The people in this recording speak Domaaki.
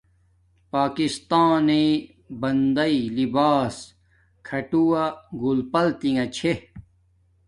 پاکستانی بندݵ لباس کھاٹووہ گل پل تنݣ چھے